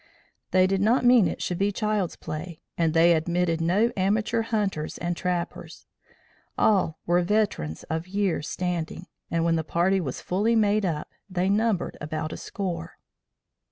They did not mean it should be child's play and they admitted no amateur hunters and trappers: all were veterans of years' standing, and, when the party was fully made up, they numbered about a score.